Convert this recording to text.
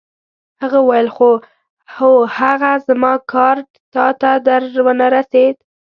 هغه وویل: هو، هغه زما کارډ تا ته در ونه رسید؟